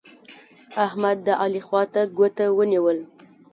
احمد؛ د علي خوا ته ګوته ونيول.